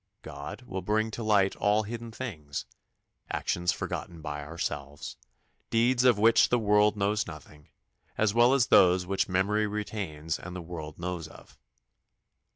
God will bring to light all hidden things actions forgotten by ourselves, deeds of which the world knows nothing, as well as those which memory retains and the world knows of.